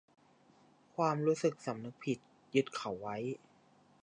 ความรู้สึกสำนึกผิดยึดเขาไว้